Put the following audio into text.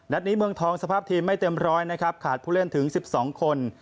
นี้เมืองทองสภาพทีมไม่เต็มร้อยนะครับขาดผู้เล่นถึง๑๒คน